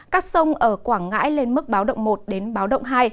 các sông ở quảng ngãi lên mức báo động một đến báo động hai